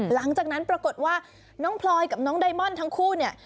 หลังจากนั้นปรากฏว่าน้องพลอยกับน้องไดมอนด์ทั้งคู่เนี่ย